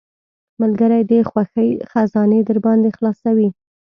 ملګری د خوښۍ خزانې درباندې خلاصوي.